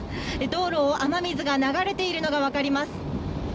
道路を雨水が流れているのが分かります。